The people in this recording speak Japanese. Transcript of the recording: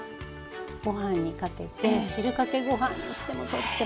ご飯にかけて汁かけご飯にしてもとっても。